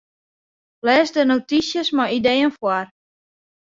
Lês de notysjes mei ideeën foar.